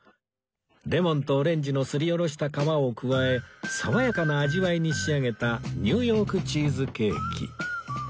レモンとオレンジのすりおろした皮を加え爽やかな味わいに仕上げた Ｎ．Ｙ チーズケーキ